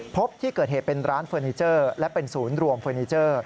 พบที่เกิดเหตุเป็นร้านเฟอร์นิเจอร์และเป็นศูนย์รวมเฟอร์นิเจอร์